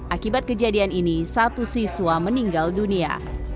akibat kejadian ini satu siswa meninggal dunia